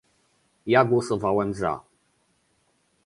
Ja głosowałem za